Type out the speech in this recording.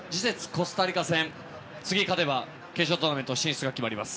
コスタリカ戦次勝てば決勝トーナメント進出が決まります。